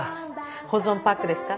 保存パックですか？